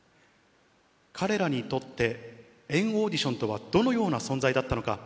彼らにとって、＆ＡＵＤＩＴＩＯＮとはどのような存在だったのか。